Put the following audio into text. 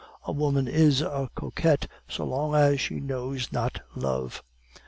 A woman is a coquette so long as she knows not love.